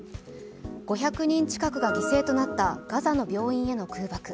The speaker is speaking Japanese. ５００人近くが犠牲となったガザの病院への空爆。